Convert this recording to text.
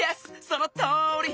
そのとおり！